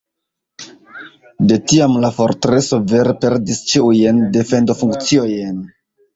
De tiam la fortreso vere perdis ĉiujn defendofunkciojn.